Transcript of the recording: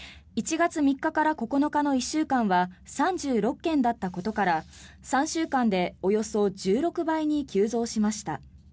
１月３日から９日の１週間は３６件だったことから３週間でおよそ１６倍に急増しました。